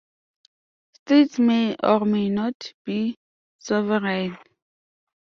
States may or may not be sovereign.